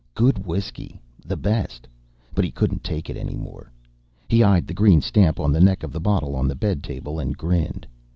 Good whiskey, the best but he couldn't take it any more. He eyed the green stamp on the neck of the bottle on the bed table and grinned.